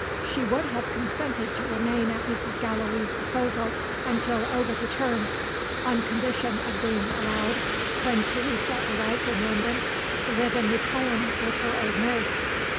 She would have consented to remain at Mrs. Gallilee's disposal until Ovid returned, on condition of being allowed, when Teresa arrived in London, to live in retirement with her old nurse.